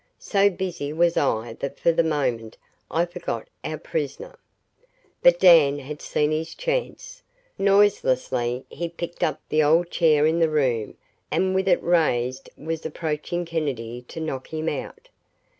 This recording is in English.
So busy was I that for the moment I forgot our prisoner. But Dan had seen his chance. Noiselessly he picked up the old chair in the room and with it raised was approaching Kennedy to knock him out.